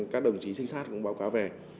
các đồng chí sinh sát cũng báo cáo về